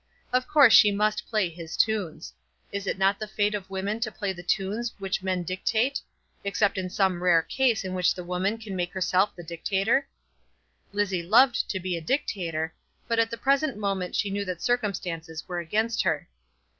Of course she must play his tunes. Is it not the fate of women to play the tunes which men dictate, except in some rare case in which the woman can make herself the dictator? Lizzie loved to be a dictator; but at the present moment she knew that circumstances were against her.